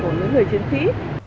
của những người chiến sĩ